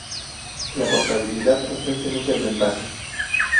La portabilidad ofrece muchas ventajas.